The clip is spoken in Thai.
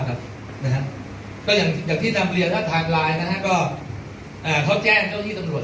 นะฮะก็อย่างอย่างที่นำเรียนนะฮะนะฮะก็อ่าเขาแจ้งเจ้าที่ตำลวด